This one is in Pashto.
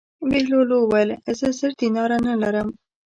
بهلول وویل: زه زر دیناره نه لرم.